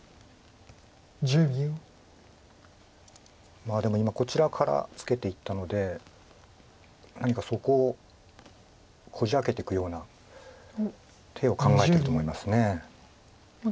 まあでも今こちらからツケていったので何かそこをこじ開けていくような手を考えてると思います。